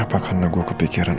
apa karena gue kepikiran